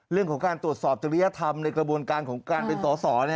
เรื่องของการตรวจสอบจริยธรรมในกระบวนการของการเป็นสอสอ